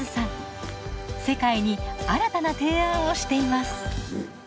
世界に新たな提案をしています。